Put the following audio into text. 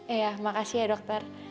iya makasih ya dokter